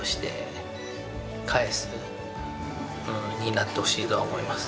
なってほしいとは思います。